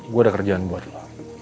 gue ada kerjaan buat gue